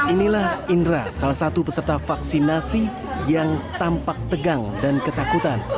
inilah indra salah satu peserta vaksinasi yang tampak tegang dan ketakutan